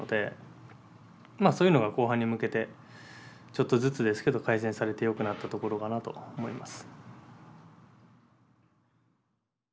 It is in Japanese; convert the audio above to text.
そういうのが後半に向けてちょっとずつですけど改善されてよくなったところかなと思います。